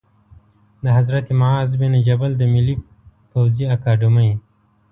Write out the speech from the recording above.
د حضرت معاذ بن جبل د ملي پوځي اکاډمۍ